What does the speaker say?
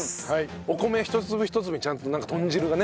お米一粒一粒ちゃんとなんか豚汁がね。